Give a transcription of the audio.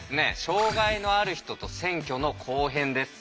障害のある人と選挙の後編です。